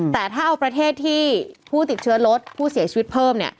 แต่ถ้าเอาประเทศที่ผู้ติดเชื้อลดผู้เสียชีวิตเพิ่ม